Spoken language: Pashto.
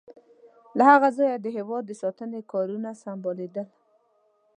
له هغه ځایه د هېواد د ساتنې کارونه سمبالیدل.